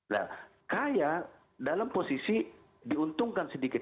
nah kaya dalam posisi diuntungkan sedikit